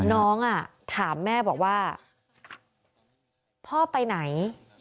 น้องถามแม่บอกว่าพ่อไปไหน